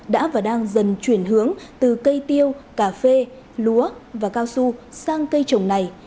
đã và đang dần chuyển hướng từ cây tiêu cà phê lúa và cao su sang cây trồng này